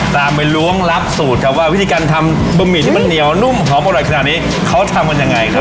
ตามไปล้วงรับสูตรครับว่าวิธีการทำบะหมี่ที่มันเหนียวนุ่มหอมอร่อยขนาดนี้เขาทำกันยังไงครับ